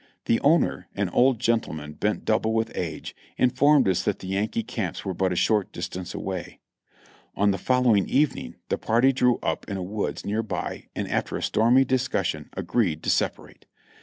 The owner, an old gentleman bent double with age, informed us that the Yankee camps were but a short distance away. On the following evening the party drew up in a woods near by and after a stormy discussion agreed to separate.